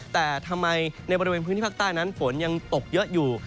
แต่ทำไมในบริเวณพื้นที่ภาคใต้นั้นฝนยังตกเยอะอยู่